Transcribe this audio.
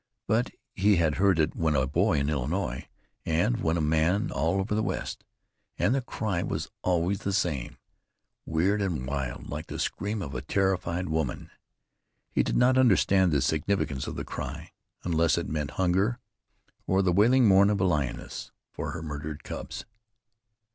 But he had heard it when a boy in Illinois, and when a man all over the West, and the cry was always the same, weird and wild, like the scream of a terrified woman. He did not understand the significance of the cry, unless it meant hunger, or the wailing mourn of a lioness for her murdered cubs.